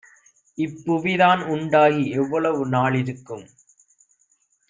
"இப்புவிதான் உண்டாகி எவ்வளவு நாளிருக்கும்?